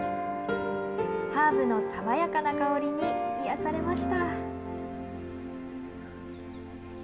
ハーブの爽やかな香りに癒やされました。